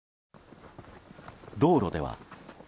道路では。